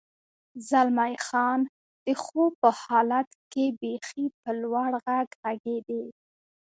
زلمی خان: د خوب په حالت کې بېخي په لوړ غږ غږېدې.